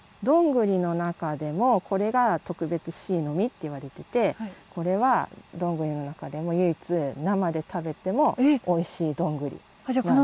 どんぐりの中でもこれが特別シイの実っていわれててこれはどんぐりの中でも唯一生で食べてもおいしいどんぐりなんです。